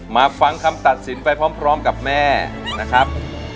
มาฟังคำตัดสินไปพร้อมกับแม่นะครับ